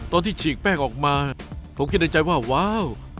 ตอนที่ฉีกแป้งออกมาผมก็เข้าในใจว่าว้าว